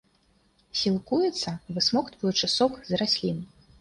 Сілкуецца, высмоктваючы сок з раслін.